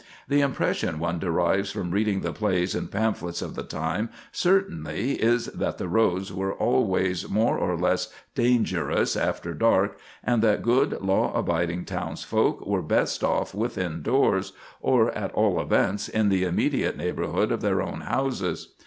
The impression one derives from reading the plays and pamphlets of the time certainly is that the roads were always more or less dangerous after dark, and that good, law abiding townsfolk were best off within doors, or, at all events, in the immediate neighborhood of their own houses.